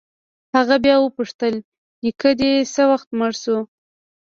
هغه بيا وپوښتل نيکه دې څه وخت مړ سو.